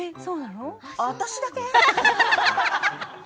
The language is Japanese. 私だけ？